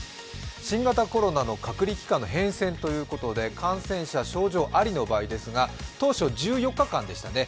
新型コロナの隔離期間の変遷ということで、感染者、症状ありの場合ですが、当初１４日間でしたね。